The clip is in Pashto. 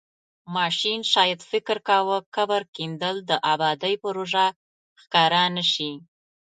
ماشین شاید فکر کاوه قبر کیندل د ابادۍ پروژه ښکاره نشي.